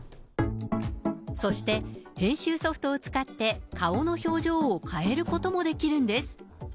そして、編集ソフトを使って顔の表情を変えることもできるんです。